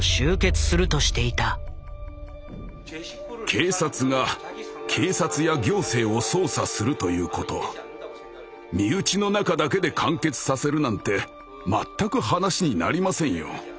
警察が警察や行政を捜査するということ身内の中だけで完結させるなんて全く話になりませんよ。